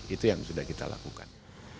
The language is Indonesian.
itu yang sudah kita lakukan